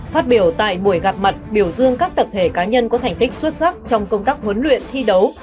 phát biểu tại buổi gặp mặt biểu dương các tập thể cá nhân có thành tích xuất sắc trong công tác huấn luyện thi đấu